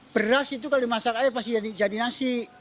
beras itu kalau dimasak air pasti jadi nasi